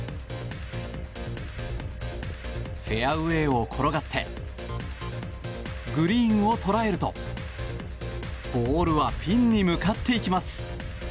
フェアウェーを転がってグリーンを捉えるとボールはピンに向かっていきます。